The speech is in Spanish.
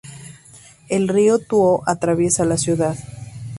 El Río Tuo atraviesa la ciudad.